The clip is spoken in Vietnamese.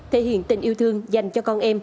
thể hiện tình yêu của các em